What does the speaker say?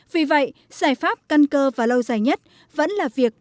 vì vậy giải pháp căn cơ và lâu dài nhất vẫn là việc